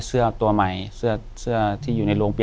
อยู่ที่แม่ศรีวิรัยิลครับ